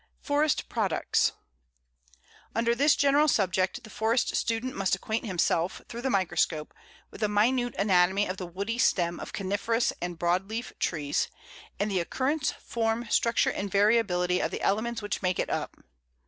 FOREST PRODUCTS: Under this general subject, the forest student must acquaint himself, through the microscope, with the minute anatomy of the woody stem of coniferous and broadleaf trees, and the occurrence, form, structure, and variability of the elements which make it up.